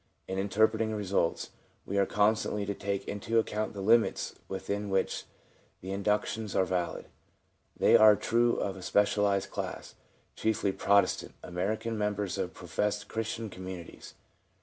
In interpretating results, we are constantly to take into account the limits within which the inductions are valid. They are true of a specialised class, chiefly Pro testant, American members of professedly Christian com munities.